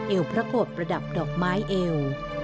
พระโกรธประดับดอกไม้เอว